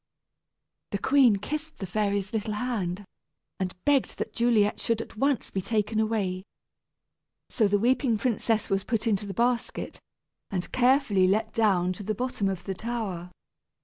The queen kissed the fairy's little hand, and begged that Juliet should at once be taken away. So the weeping princess was put into the basket, and carefully let down to the bottom of the tower.